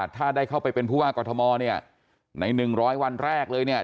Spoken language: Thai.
ถ้าได้เข้าไปเป็นผู้ว่ากอทมเนี่ยใน๑๐๐วันแรกเลยเนี่ย